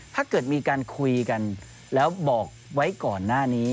ถ้าเกิดมีการคุยกันแล้วบอกไว้ก่อนหน้านี้